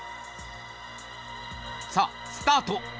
さあスタート！